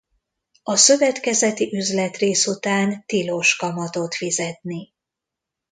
A szövetkezeti üzletrész után tilos kamatot fizetni.